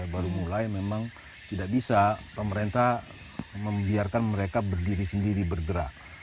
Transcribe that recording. baru mulai memang tidak bisa pemerintah membiarkan mereka berdiri sendiri bergerak